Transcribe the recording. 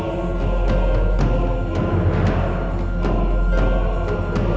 bagus juga ini